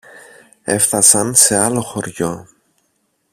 Έφθασαν σε άλλο χωριό